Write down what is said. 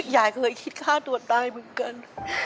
ยายเคยคิดฆ่าตัวตายเหมือนกัน